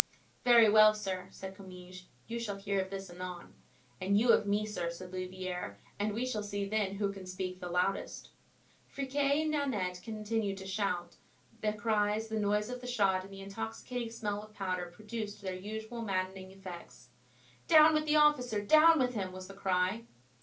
"Very well, sir," said Comminges, "you shall hear of this anon." "And you of me, sir," said Louvieres; "and we shall see then who can speak the loudest." Friquet and Nanette continued to shout; the cries, the noise of the shot and the intoxicating smell of powder produced their usual maddening effects. "Down with the officer! down with him!" was the cry.